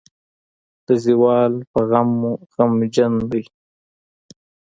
د زوال پۀ غم غمژن دے ۔